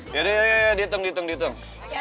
yaudah yaudah yaudah diitung diitung diitung